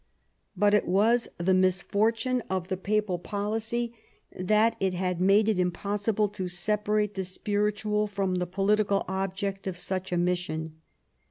But it was the misfortune of the Papal policy that it had made it impossible to separate the spiritual from the political object of such a mission.